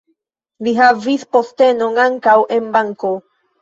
Li havis postenon ankaŭ en banko.